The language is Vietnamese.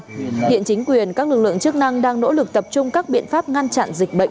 hiện chính quyền các lực lượng chức năng đang nỗ lực tập trung các biện pháp ngăn chặn dịch bệnh lây làn trong cộng đồng